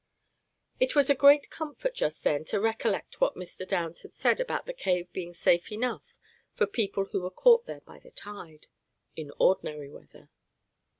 It was a great comfort just then to recollect what Mr. Downs had said about the cave being safe enough for people who were caught there by the tide, "in ordinary weather."